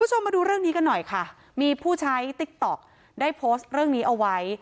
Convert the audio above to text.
คุณผู้ชมมาดูเรื่องนี้กันหน่อยค่ะมีผู้ใช้ติ๊กต๊อกได้โพสต์เรื่องนี้เอาไว้